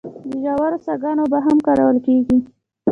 د ژورو څاګانو اوبه هم کارول کیږي.